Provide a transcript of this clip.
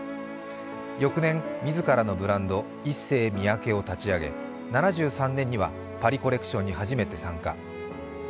翌年、自らのブランドＩＳＳＥＹＭＩＹＡＫＥを立ち上げ７３年にはパリコレクションに初めて参加。